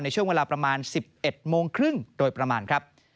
ช่วงเวลาประมาณ๑๑โมงครึ่งโดยประมาณครับ